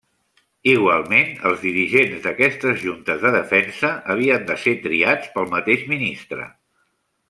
Igualment, els dirigents d'aquestes Juntes de Defensa, havien de ser triats pel mateix ministre.